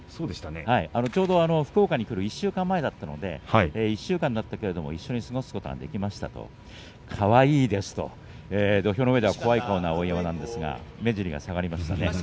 ちょうどここにくる１週間前でしたので１週間だったけど一緒に過ごすことができましたかわいいですと土俵の上では怖い顔の碧山ですが目尻が下がりました。